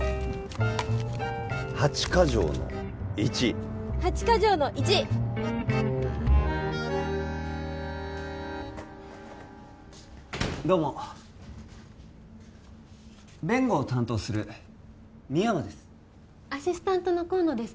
８カ条の１８カ条の１どうも弁護を担当する深山ですアシスタントの河野です